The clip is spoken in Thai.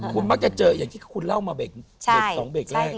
คุณมักจะเจออย่างที่คุณเล่ามาเบรก๒เบรกแรก